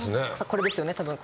これですよねたぶん。